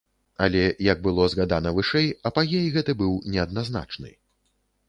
Але, як было згадана вышэй, апагей гэты быў неадназначны.